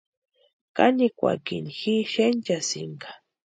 Kanikwakini ji xenchasïnka.